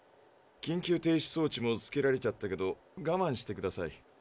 緊急停止装置も付けられたけどがまんしてください。